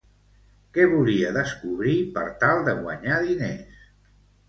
Què volia descobrir, per tal de guanyar diners?